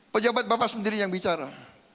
pejabat bapak sendiri yang bicara